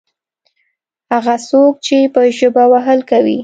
هغه څوک چې په ژبه وهل کوي.